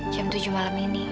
jam tujuh malam ini